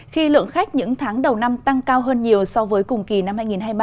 khi lượng khách những tháng đầu năm tăng cao hơn nhiều so với cùng kỳ năm hai nghìn hai mươi ba